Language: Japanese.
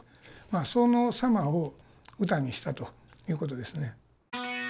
まあその様を歌にしたという事ですね。